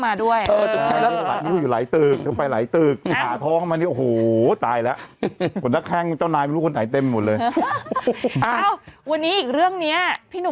อ้าวสมัยโคโยตี้เขาไม่เหมือนกัน